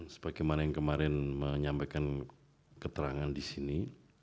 sebagaimana yang kemarin menyampaikan keterangan di sini